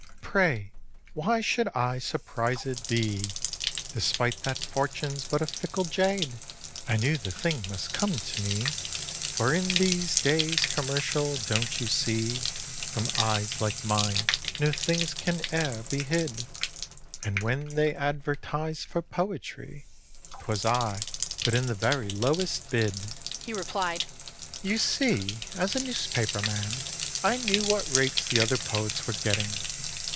Pray why should I surpriséd be? Despite that Fortune's but a fickle jade, I knew the thing must come to me, For in these days commercial, don't you see, From eyes like mine no thing can e'er be hid; And when they advertised for poetry, 'Twas I put in the very lowest bid," he replied. "You see, as a newspaper man I knew what rates the other poets were getting.